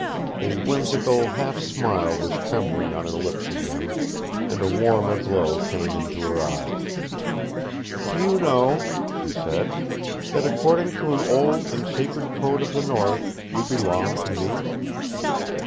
A whimsical half smile was trembling on her lips again, and a warmer glow came into her eyes. "Do you know," she said, "that according to an old and sacred code of the North you belong to me?"